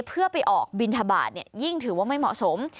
เพื่อไปออกบินทบาทยิ่งถือว่าไม่เหมาะสม